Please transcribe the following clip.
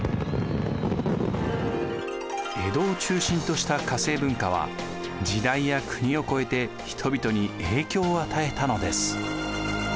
江戸を中心とした化政文化は時代や国を越えて人々に影響を与えたのです。